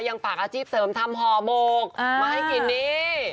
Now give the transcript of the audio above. ยังฝากอาชีพเสริมทำห่อหมกมาให้กินนี่